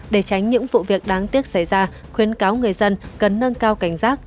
để tránh những vụ việc đáng tiếc xảy ra khuyến cáo người dân cần nâng cao cảnh giác